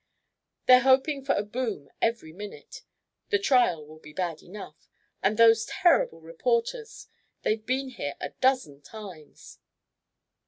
They're hoping for a boom every minute. The trial will be bad enough. And those terrible reporters! They've been here a dozen times."